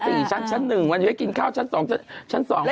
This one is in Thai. ในวันให้กินข้าวชั้น๒ชั้น๓